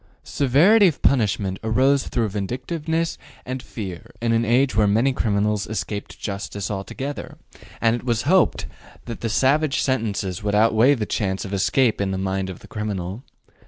Severity of punishment arose through vindictiveness and fear in an age when many criminals escaped justice altogether, and it was hoped that savage sentences would outweigh the chance of escape in the mind of the criminal.